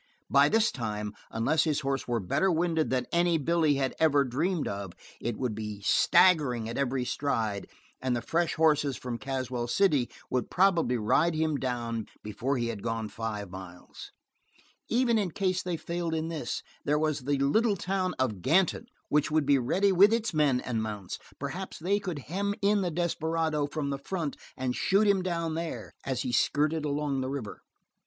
By this time, unless his horse were better winded than any that Billy had ever dreamed of, it would be staggering at every stride, and the fresh horses from Caswell City would probably ride him down before he had gone five miles. Even in case they failed in this, there was the little town of Ganton, which would be ready with its men and mounts. Perhaps they could hem in the desperado from the front and shoot him down there, as he skirted along the river.